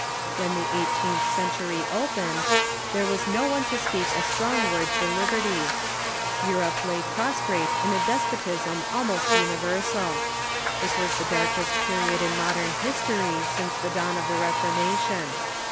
AVhen the eighteenth century opened. Conciliatory there was no one to speak a strong word for liberty. Measures Em ope lay prostrate in a despotism almost univer sal. It was the darkest period in modern history since the dawn of the Reformation.